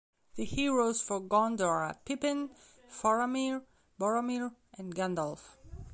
The Heroes for Gondor are Pippin, Faramir, Boromir, and Gandalf.